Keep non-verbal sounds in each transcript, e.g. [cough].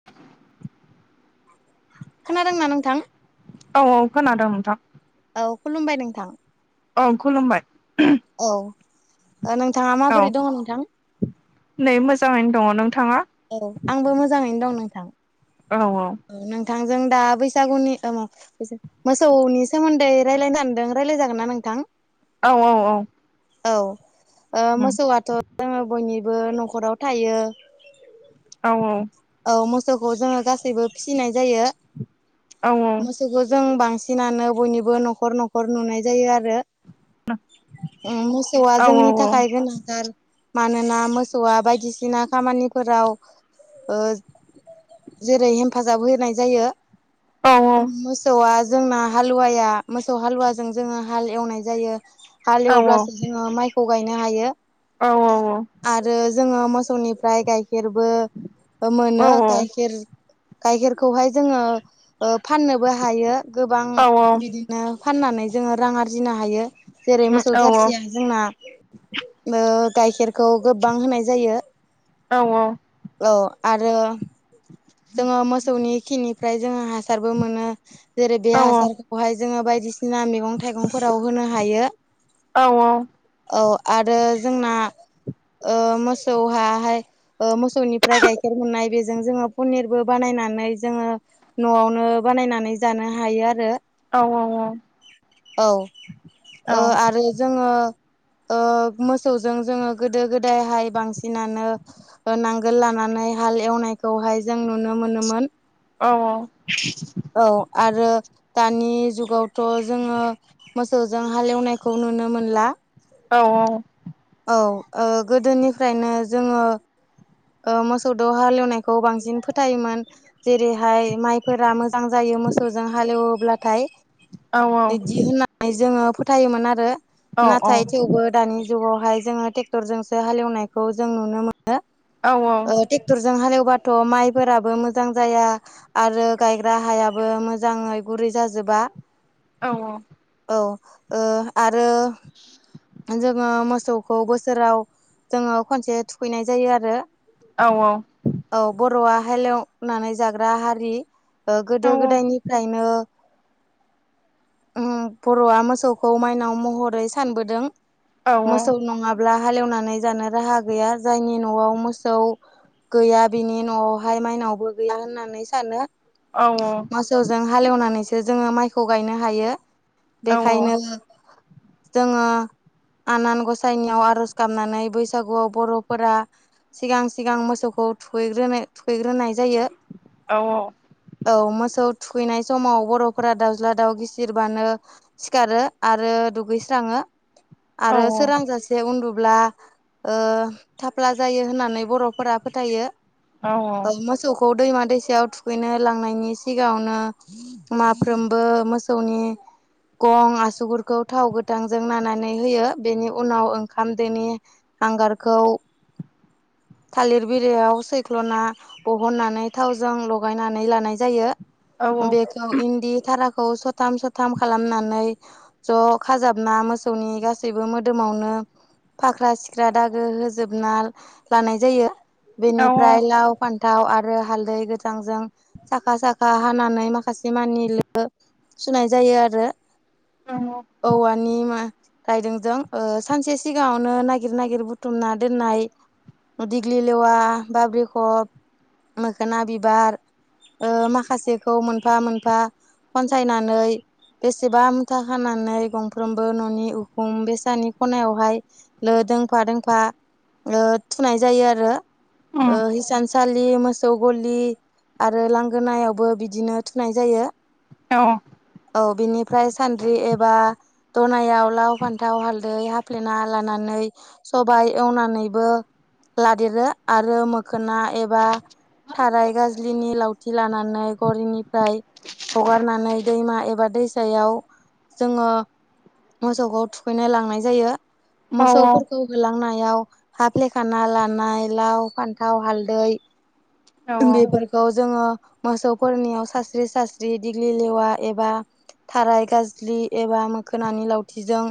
[unintelligible] खोनादोंना नोंथां? औ औ खोनादों नोंथां। औ खुलुमबाय नोंथां। औ खुलुमबाय [unintelligible] औ नोंथाङा औ माबोरै दङ नोंथां? नै मोजाङैनो दङ। नोंथाङा? औ आंबो मोजाङैनो दं नोंथां। औ औ। औ नोंथांजों दा बैसागुनि ओ [unintelligible] [unintelligible] मोसौनि सोमोन्दै रायलायनो सानदोंं रायलाय जागोन ना नोंथां? औ औ औ। औ ओ मोसौआथ' जोङो बयनिबो न'खराव थायो। औ औ। औ मोसौखौ जोङो गासैबो फिसिनाय जायो। औ मोस फोरखौ जों बांसिनानो बयनिबो न'खर न'खर नुनाय जायो आरो उम मोसौआ औ जोंनि थाखाय गोनांथार। मानोना मोसौआ बायदिसिना खामानिफोराव ओ जेरै हेफाजाब होनाय जायो। मोसौआ जोंना हालुवाया मोसौ हालुवाजों जोङो हाल एवनाय जायो। हाल एवब्लासो जोङो माइखौ गायनो हायो। औ औ औ। आरो जोङो मोसौनिफ्राय गाइखेरबो मोनो। गायखेर गायखेरखौहाय जोङो ओ फाननोबो हायो गोबां बिदिनो फाननानै जोङो रां आरजिनो हायो। जेरै मोसौ जारसिया जोंना ओ गाइखेरखौ गोबबां होनाय जायो। औ औ। औ आरो जोङो मोसौनि खिनिफ्राय जोङो हासारबो मोनो। जेरै बे हासारखौहाय जोङो बायदिसिना मैगं थाइगंफोराव होनो हायो। औ औ। औ आरो जोंना ओ मोसौहाहाय ओ मोसौनिफ्राय गाय खेर मोननाय बेजों जोङो पनिरबो बानायनानै जोङो न'आवनो बानायनानै जानो हायो आरो औ ओ आरो जोङो ओ मोसौजों जोङो गोदो गोदायहाय बांसिनानो ओ नांगोल लानानै हाल एवनायखौहाय जों नुनो मोनोमोन। औ औ। औ आरो दानि जुगावथ' जोङो मोसौजों हालेवनायखौ नुनो मोनला। औ औ। औ ओ गोदोनिफ्रायनो जोङो ओ मोसौदो हाल एवनायखौ बांसिन फोथायोमोन। जेरैहाय माइफोरा मोजां जायो मोसौजों हालेवोब्लाथाय बिदि होननानै जोङो फोथायोमोन आरो नाथाय थेवबो दानि जुगावहाय जोङो ट्रेक्टरजोंसो हालेवनायखौ जों नुनो मो ओ टेक्टरजों हालेवबाथ' माइफोराबो मोजां जाया। आरो गायग्रा हायाबो मोजाङै गुरै जाजोबा। औ औ। औ ओ आरो जोङो मोसौखौ बोसोराव जोङो खनसे थुखैनाय जायो आरो औ औ। औ बर'आ हालेवनानै जाग्रा हारि ओ गोदो गोदायनिफ्रायनो ओ बर'आ मोसौखौ माइनाव महरै सानबोदों। मोसौ नङाब्ला हालेवनानै जानो राहा गैया जायनि न'आव मोसौ गैया बिनि न'आवहाय माइनावबो गैया होननानै सानो। औ औ मोसौजों हालेवनानैसो जोङो माइखौ गायनो हायो बेखायनो जोङो आनान गसाइनियाव आर'ज गाबनानै बैसागुआव बर'फोरा सिगां सिगां मोसौखौ थुैग्रोनो थुहैग्रोनाय जायो। औ मोसौ थुखैनाय समाव बर'फोरा दाउज्ला दाउ गिसिरबानो सिखारो आरो दुगैस्राङो आरो सोरां जासे जे उन्दुब्ला ओ थाफ्ला जायो होननानै बर'फोरा फोथायो। मोसौखौ दैमा दैसायाव थुखैनो लांनायनि सिगाङावनो माफ्रोमबो मोसौनि गं आसुगुरखौ थाव गोथांजों नानानै होयो बेनि उनाव ओंखाम दोनि हांगारखौ थालिर बिलाइयाव सैख्ल'ना बहननानै थावजों लगायनानै लानाय जायो। बेखौ इन्दि थाराखौ सथाम सथाम खालामनानै ज' खाजाबना मोसौनि गासैबो मोदोमावनो फाख्रा सिख्रा दागो होजोबना लानाय जायो औ औ बेनिफ्राय लाव फान थाव आरो हालदै गोथांजों साखा साखा हानानै माखासे मानि लो सुनाय जायो आरो। औ औवानि मा रायदोंजों सानसे सिगाङावनो नागिर नागिर बुथुमना दोननाय दिग्लि लेवा बाब्रिखब मोखोना बिबार माखासेखौ मोनफा मोनफा खनसायनानै बेसेबा मुथा खानानै गंफ्रोमबो न'नि उखुम बेसानि खनायावहाय लो दोंफा दोंफा थुनाय जायो आरो हिसानसालि मोसौ गलि आरो लांगोनायावबो बिदिनो थुनाय जायो। औ औ बिनिफ्राय सान्द्रि एबा दनायाव लाव फान्थाव हालदै हाफ्लेना लानानै सबाइ एवनानैबो लादेरो आरो मोखोना एबा थाराय गाज्लिनि लावथि लानानै गलिनिफ्राय हगारनानै दैमा एबा दैसायाव जोङो मोसौखौ थुखैनो लांनाय जायो। मोसौफोरखौ होलांनायाव हाफ्लेखाना लानाय लाव फान्थाव हालदै बेफोरखौ जोङो मोसौफोरनियाव सास्रि सास्रि दिग्लि लेवा एबा थाराय गाज्लि एबा मोखोनानि लावथिजों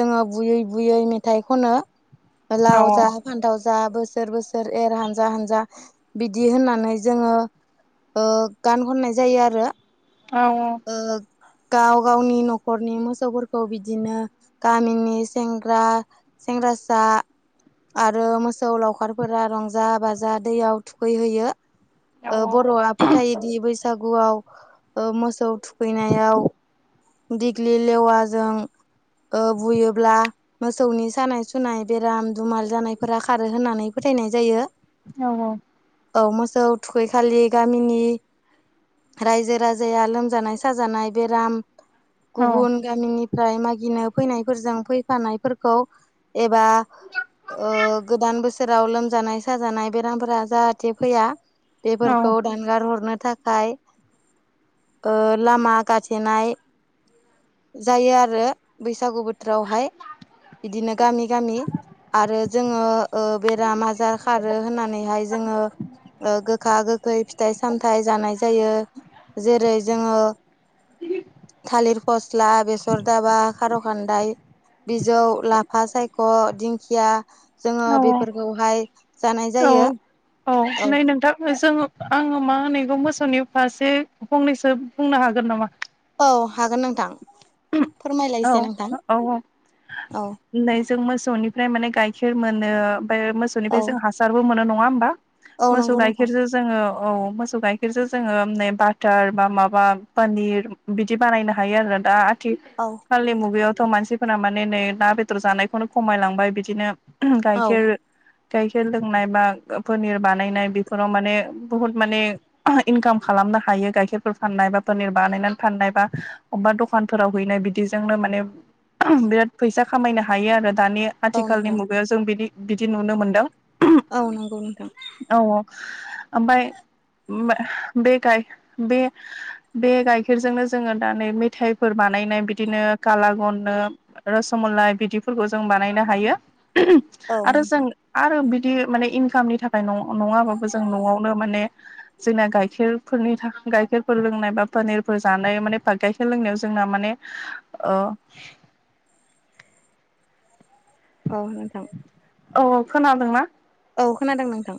जोङो बुयै बुयै मेथाइ खनो लाव जा फान्थाव जा बोसोर बोसोर एर हानजा हानजा बिदि होननानै जोङो गान खननाय जायो आरो औ गाव गावनि न'खरनि मोसौफोरखौ बिदिनो गामिनि सेंग्रा सेंग्रासा आरो मोसौ लावखारफोरा रंजा बाजा दैयाव थुखैहोयो। बर'आ फोथायोदि बैसागुआव मोसौ थुखैनायाव दिग्लि लेवाजों बुयोब्ला मोसौनि सानाय सुनाय बेराम दुमाल जानायफोरा खारो होननानै फोथायनाय जायो। औ औ औ मोसौ थुखैखालि गामिनि रायजो राजाया लोमजानाय साजानाय बेराम गुबुन गामिनिफ्राय मागिनो फैनायफोरजों फैफानायफोरखौ एबा ओ गोदान बोसोराव लोमजानाय साजानाय बेरामफोरा जाहाथे फैया बेफोरखौ दानगार हरनो थाखाय ओ लामा गाथेनाय जायो आरो बैसागु बोथोरावहाय बिदिनो गामि गामि आरो जोङो ओ बेराम आजार खारो होननानै बेहाय जोङो ओ गोखा गोखै फिथाइ सामथाइ जानाय जायो जेरै जोङो थालिर फस्ला बेसर दाबा खार' खानदाय बिजौ लाफा सायख' दिंखिया जोङो बेफोरखौहाय जानाय औ जायो औ नै नोंथां जोङो आङो मा होनो एखौ मोसौनि फारसे फंनैसो बुंनो हागोन नामा औ हागोन नोंथां औ फोरमायलायसै नोंथां औ औ नै जों मोसौनिफ्राय माने गाइखेर मोनो ओमफ्राय औ मोसौनिफ्राय जों हासारबो मोनो नङा होमबा औ मोसौ नंगौ नोंथां गायखेर [unintelligible] जोङो औ मोसौ गाइखेरजों जोङो नै बाटार बा माबा पनिर बिदि बानायनो हायो आरो दा आथि औ खाललि मुगायावथ' मानसिफोरा माने नै ना बेदर जानायखौनो खमायलांबाय बिदिनो औ गाइखेर गाइखेर लोंनाय बा पनिर बानायनाय बेफोराव माने बुहुद माने इनकाम खालामनो हायो गाइखेरफोर फाननाय बा पनिर बानायनानै फाननाय बा अबेबा दखान फोराव हैनाय बिदिजोंनो माने बिराद फैसा खामायनो हायो आरो दानि औ आथिखालनि नोंथां मु बो जों बिदि बिदि नुनो मोनदों औ नंगौ नोंथां औ औ ओमफ्राय बे गाय बे बे गाइखेरजोंनो जोङो दा नै मेथाइफोर बानायनाय बिदिनो काला गननो रसमलाय बिदिफोरखौ जों बानायनो हायो औ आरो जों नोंथां आरो बिदि माने इनकामनि थाखाय न-नङाबाबो जों न'आवनो माने जोंना गाइखेरफोरनि गाइखेरफोर लोंनाय बा पानिरफोर जानाय माने गाइखेर लोंनायाव जोंना माने ओ औ नोंथां औ औ खोनादोंना? औ खोनादों नोंथां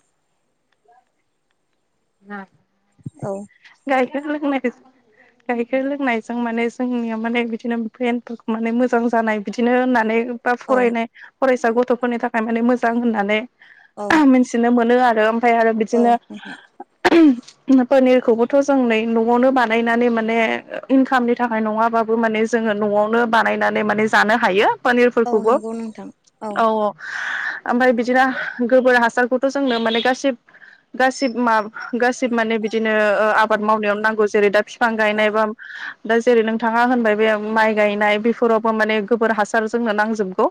ना औ गायखेर लोंनाय गाइखेर लोंनायजों माने जोंनिया माने बिदिनो प्लेनफोरखौ माने मोजां जानाय बिदिनो होननानै बा औ फरायनाय फरायसा गथ'फोरनि थाखाय माने मोजां होननानै औ मिथिनो मोनो आरो ओमफ्राय आरो औ बिदिनो नोंथां पनिरखौबोथ' जों नै न'आवनो बानायनानै माने इनकामनि थाखाय नङाबाबो माने जोङो न'आवनो बानायनानै माने जानो हायो औ पानिरफोरखौबो नंगौ नोंथां औ औ ओमफ्राय बिदिनो गोबोर हासारखौथ' जोंनो माने गासिब गासिब मा गासिबो माने बिदिनो ओ आबाद मावनायाव नांगौ जेरै दा बिफां औ गायनाय बा दा जेरै नोंथाङा होनबाय बे माइ गायनाय बेफोरावबो माने गोबोर हासार जोंनो नांजोबगौ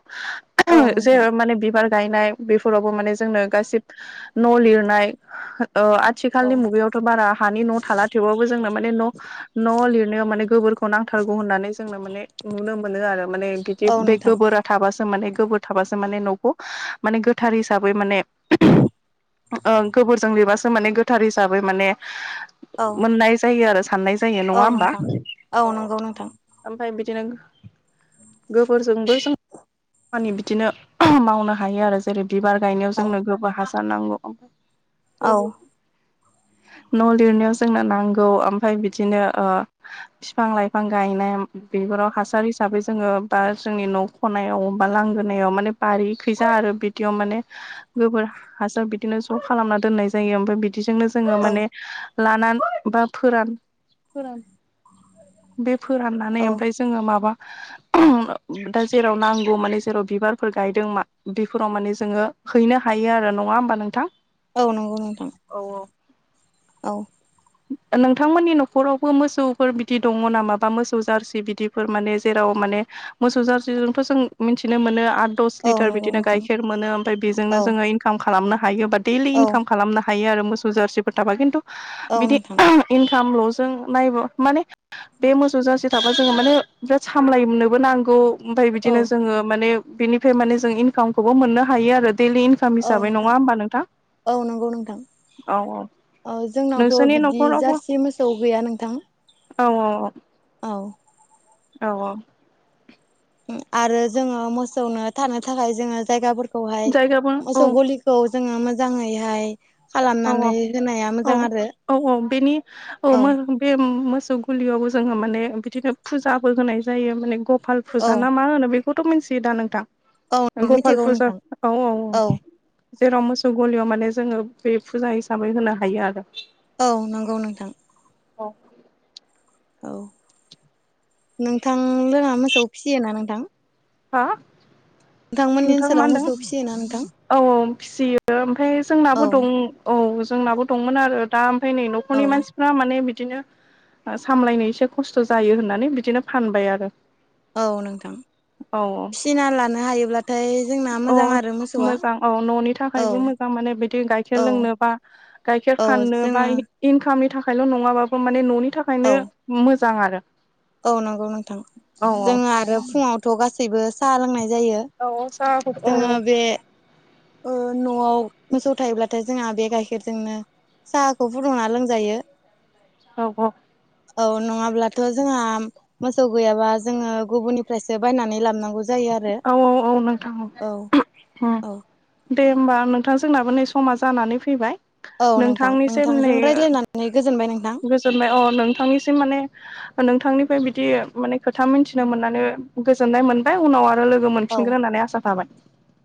औ [unintelligible] जे नोंथां माने बिबार गायनाय बेफोरावबो माने जोंनो गासिब न' लिरनाय ओ आ औ आथिखालनि मुगायावथ' बारा हानि न' थाला थेवबाबो जोंना माने न' न' लिरनायाव माने गोबोरखौ नांथारगौ होननानै जोंनो माने नुनो मोनो आरो माने बिदि औ बे नोंथां गोबोर थाबासो माने गोबोर थाबासो माने न'खौ माने गोथार हिसाबै माने ओ गोबोरजों लिरबासो माने गोथार हिसाबै माने औ सनाय जायो आरो साननाय जायो औ नङा होमबा नोंथां औ नंगौ नोंथां ओमफ्राय बिदिनो गोबोरजोंबो जों खामानि बिदिनो मावनो हायो आरो जेरै बिबार गायनायाव औ जोंनो गोबा हासार नांगौ ओम औ न' लिरनायाव जोंनो नांगौ ओमफफ्राय बिदिनो बिफां- लाइफां गायनाय बिबाराव हासार हिसाबै जोङो बा जोंनि न' ख'नायाव बा लांगोनायाव माने बारि खैजा आरो बिदियाव माने गोबोर हासार बिदिनो ज' खालामना दोननाय जायो ओमफ्राय बिदि बिदिजोंनो जोङो औ माने लानानै बा फोरान फोरान बे फोराननानै औ ओमफ्राय जोङो माबा दा जेराव नांगौ माने जेराव बिबारफोर गायदों मा बेफोराव माने जोङो हैनो हायो आरो नङा होमबा नोंथां? औ नंगौ नोंथां। औ। औ नोंथांमोननि न'खरावबो मोसौफोर बिदि दङ नामा बा मोसौ जारसि बिदिफोर माने जेराव माने मोसौ जार्सिजोंथ' जों मिथिनो मोनो आरो दस औ लिटार नंगौ बिदिनो नोंथां गाइखेर मोनो ओमफ्राय बेजोंनो औ जोङो इनकाम खालामनो हायो बा दैलि औ इनकाम खालामनो हायो। हायो आरो मोसौ जारसिफोर थाबा खिन्थु औ बिदि नोंथां इनकामल'जों नायब माने बे मोसौ जसे थाबा जोङो माने बिराद सामलायनोबो नांगौ। ओमफफ्राय औ बिदिनो जोङो माने बिनिफ्राय माने जों इनकामखौबो मोननो हायो आरो दैलि इन औ हिसाबै नोंथां नङा होनबा नोंथां? औ नंगौ नोंथां। औ औ जोंनावथ' नोंसोरनि बिदि न'खरावबो जारसि मोसौ गैया नोंथां। औ औ औ। औ। औ औ। आरो जोङो मोसौनो थानो थाखाय जोङो जायगाफोरखौहाय जायगाबो औ मोसौ गलि खौ जोङो मोजाङैहाय औ खालामनानै -औ होनाया मोजां -औ- आरो औ -औ बेनि औ म बे मोसौ गुलियावबो जोङो माने बिदिनो फुजाबो होनाय जायो माने ग फाल औ फुजा ना मा होनो बेखौथ' मिथियो दा नोंथां? औ गपाल मिथिगौ फुजा नोंथां औ- औ औ जेराव मोसौ गलियाव माने जोङो बे फुजा हिसाबै होनो हायो आरो औ नंगौ नोंथां। औ औ नोंथां लोङा मोसौ फिसियोना नोंथां? हा नोंथांमोननि नोंथाङा मा ओनसोलाव होनदों मोसौ फिसियोना नोंथां? औ - औ फिसियो ओमफ्राय औ जोंनाबो दं औ जोंनाबो दंमोन आरो दा ओमफ्राय नै न'खरनि औ मानसि फा माने बिदिनो सामलायनो एसे खस्थ' जायो होननानै बिदिनो फानबाय आरो औ नोंथां। औ। फिसिनाना लानो हायोब्लाथाय जोंना अ मोजां आरो मोसौआ मोजां औ न'नि औ थाखायबो मोजां माने बिदि औ गाइखेर लोंनोबा गाइखेर औ फाननो बा जोङो इनकामनि थाखायल' नङाबाबो माने न'नि औ थाखायनो मोजां आरो औ नंगौ नोंथां औ जोङो आरो फुङावथ' गासैबो साहा लोंनाय जायो औ स औ। जोङो बे ओ न'आव मोसौ थायोब्लाथाय जोंहा बे गाइखेरजोंनो साहाखौ फुदुंना लोंजायो। औ औ औ नङाब्लाथ' जोंहा मोसौ गैयाबा जोङो गुबुननिफ्रायसो बायनानै लाबनांगौ औ औ औ नोंथां औ हुम। औ दे होमबा नोंथां जोंनाबो नै समा जानानै फैबाय। औ नोंथां नोंथांनिसिम नोंथांजों रायज्लायनानै गोजोनबाय नोंथां। जोनबाय अ नोंथांनिसिम माने नोंथांनिफ्राय बिदि माने खोथा मिथिनो मोननानै गोजोननाय मोनबाय उनाव आरो लोगो लोगो औ मोनफिनगोन होननानै आसा थाबाय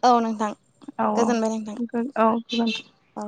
औ नोंथां औ औ गोजोनबाय नोंथां औ गोजोनथ औ।